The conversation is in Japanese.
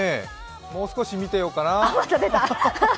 もう少し見てようかな。